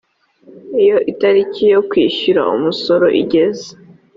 iyo itariki yo kwishyura umusoro igeze